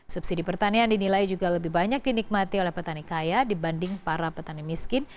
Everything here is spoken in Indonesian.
subsidi pertanian dinilai juga lebih banyak dinikmati oleh petani kaya dibanding para petani miskin